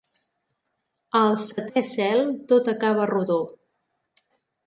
Al setè cel tot acaba rodó.